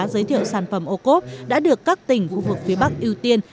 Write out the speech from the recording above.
giới thiệu sản phẩm ô cốp đã được các tỉnh khu vực phía bắc ưu tiên